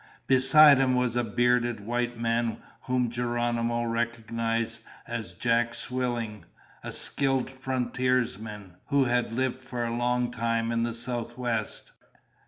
Beside him was a bearded white man whom Geronimo recognized as Jack Swilling, a skilled frontiersman who had lived for a long time in the Southwest.